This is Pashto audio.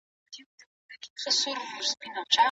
د طلاق واک له چا سره نسته؟